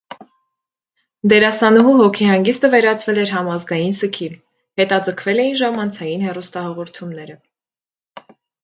Դերասանուհու հոգեհանգիստը վերածվել էր համազգային սգի, հետաձգվել էին ժամանցային հեռուստահաղորդումները։